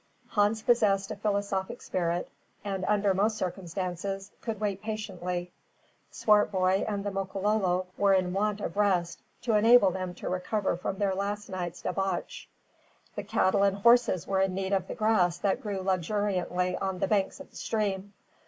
Hans possessed a philosophic spirit, and, under most circumstances, could wait patiently. Swartboy and the Makololo were in want of rest, to enable them to recover from their last night's debauch. The cattle and horses were in need of the grass that grew luxuriantly on the banks of the stream.